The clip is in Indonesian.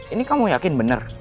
ini kamu yakin bener